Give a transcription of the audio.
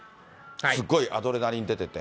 すごいアドレナリン出てて。